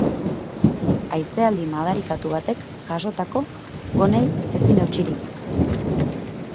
Haizealdi madarikatu batek jasotako gonei ezin eutsirik.